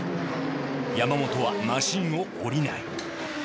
山本はマシンを降りない。